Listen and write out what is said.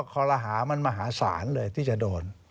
คอลหามันมหาศาลเลยที่จะโดน